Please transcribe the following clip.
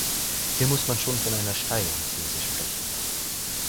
Hier muss man schon von einer steilen These sprechen.